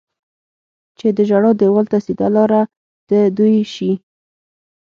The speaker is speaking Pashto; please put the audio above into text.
چې د ژړا دېوال ته سیده لاره د دوی شي.